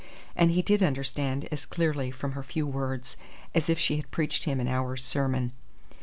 And he did understand as clearly from her few words as if she had preached him an hour's sermon.